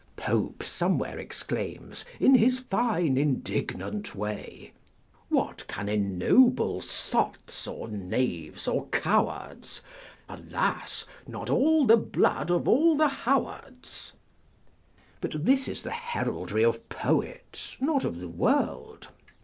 Pope somewhere exclaims, in his fine indignant way, What can ennoble sots, or knaves, or cowards? Alas ! not all the blood of all the Howards. But this is the heraldry of poets, not of the world.